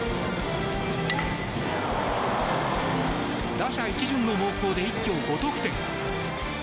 打者一巡の猛攻で一挙５得点。